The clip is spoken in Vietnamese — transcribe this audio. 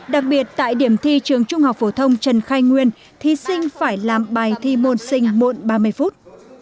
đặc biệt tại điểm thi trường trung học phổ thông trần khai nguyên thí sinh phải làm bài thi môn sinh muộn ba mươi phút